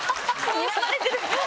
にらまれてる。